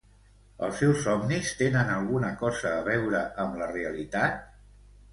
Els seus somnis tenen alguna cosa a veure amb la realitat?